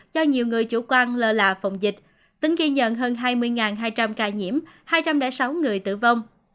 do nhiều người chủ quan lơ là phòng dịch tính ghi nhận hơn hai mươi hai trăm linh ca nhiễm hai trăm linh sáu người tử vong